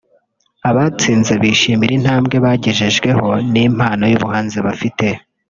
Abatsinze bishimira intambwe bagejejweho n’impano y’ubuhanzi bafite